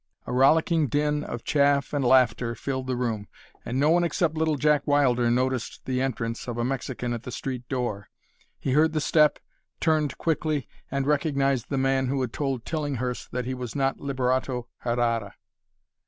A rollicking din of chaff and laughter filled the room, and no one except Little Jack Wilder noticed the entrance of a Mexican at the street door. He heard the step, turned quickly, and recognized the man who had told Tillinghurst that he was not Liberato Herrara.